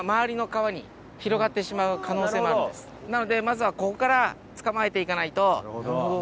なのでまずはここから捕まえて行かないと。